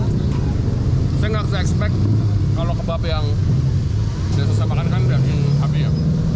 saya nggak bisa ekspek kalau kebab yang saya susah makan kan biar yang habis ya